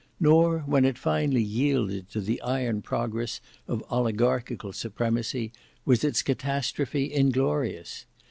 Nor when it finally yielded to the iron progress of oligarchical supremacy, was its catastrophe inglorious.